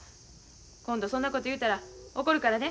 今度そんなこと言うたら怒るからね。